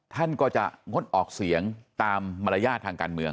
ท่านก็จะงดออกเสียงตามมารยาททางการเมือง